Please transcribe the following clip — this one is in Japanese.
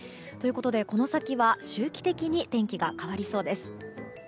ということでこの先は周期的に天気が変わりそうです。